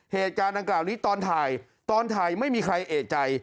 เหตุการณ์ดังกล่าวนี้ตอนถ่ายตอนถ่ายไม่มีใครเอกใจ